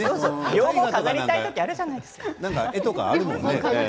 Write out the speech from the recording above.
両方、飾りたい時あるじゃないですか。